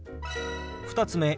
２つ目。